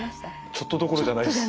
ちょっとじゃないです。